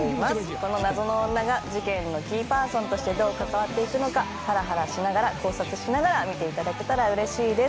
この謎の女が事件のキーパーソンとしてどう関わっていくのかハラハラしながら考察しながら見ていただけたら嬉しいです